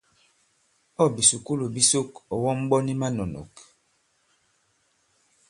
Ɔ̂ bìsùkulù bi sok, ɔ̀ wɔm ɓɔn i manɔ̀nɔ̀k.